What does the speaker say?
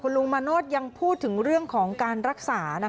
ลุงมาโนธยังพูดถึงเรื่องของการรักษา